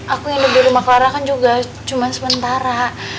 aku hidup di rumah clara kan juga cuman sementara